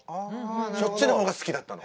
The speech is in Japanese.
そっちの方が好きだったの。